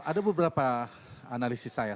ada beberapa analisis saya